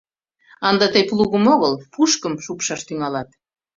Ынде тый плугым огыл, пушкым шупшаш тӱҥалат.